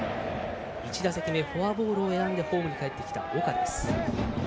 １打席目フォアボールを選んでホームにかえってきた岡です。